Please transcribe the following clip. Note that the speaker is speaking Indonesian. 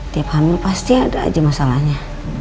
tiap hamil pasti ada aja masalahnya